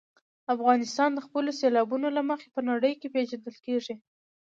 افغانستان د خپلو سیلابونو له مخې په نړۍ کې پېژندل کېږي.